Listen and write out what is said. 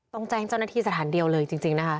ต้องแจ้งเจ้าหน้าที่สถานเดียวเลยจริงนะคะ